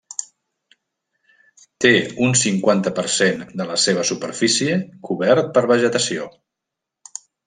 Té un cinquanta per cent de la seva superfície cobert per vegetació.